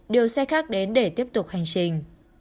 đưa xe khác đến để tiếp tục hành trình